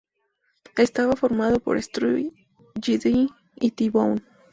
Estaba formado por Shorty, J-Dee y T-Bone.